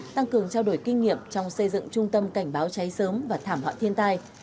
tăng cường trao đổi kinh nghiệm trong xây dựng trung tâm cảnh báo cháy sớm và thảm họa thiên tai